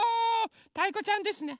たいこちゃんですね。